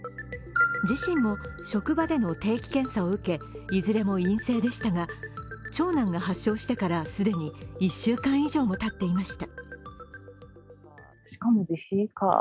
自身も職場での定期検査を受けいずれも陰性でしたが長男が発症してから既に１週間以上もたっていました。